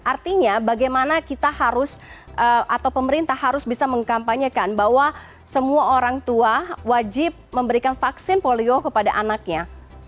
artinya bagaimana kita harus atau pemerintah harus bisa mengkampanyekan bahwa semua orang tua wajib memberikan vaksin polio kepada anaknya